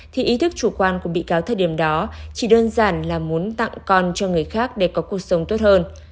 thì ý thức chủ quan của bị cáo thời điểm đó chỉ đơn giản là muốn tặng con cho người khác để có cuộc sống tốt hơn